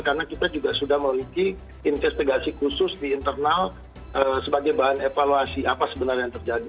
karena kita juga sudah meluiki investigasi khusus di internal sebagai bahan evaluasi apa sebenarnya yang terjadi